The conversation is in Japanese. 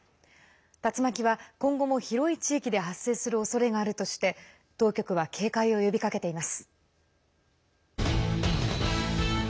竜巻は今後も広い地域で発生するおそれがあるとして当局は警戒を呼びかけています。